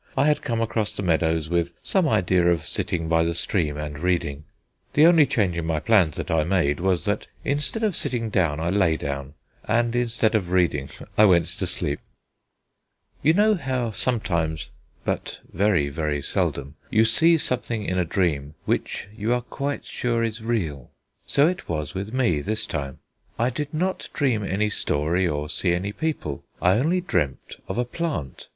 I had come across the meadows with some idea of sitting by the stream and reading. The only change in my plans that I made was that instead of sitting down I lay down, and instead of reading I went to sleep. You know how sometimes but very, very seldom you see something in a dream which you are quite sure is real. So it was with me this time. I did not dream any story or see any people; I only dreamt of a plant.